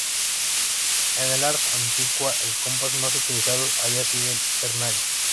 En el "Ars antiqua" el compás más utilizado había sido el ternario.